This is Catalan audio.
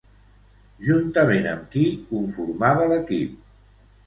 Juntament amb qui conformava l'equip?